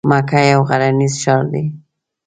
مکه یو غرنیز ښار دی.